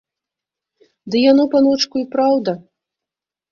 Ды яно, паночку, і праўда!